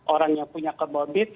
orang yang punya komodit